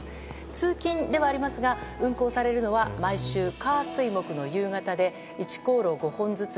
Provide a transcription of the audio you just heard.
通勤ではありますが運航されるのは毎週、火・水・木の夕方で１航路５本ずつ。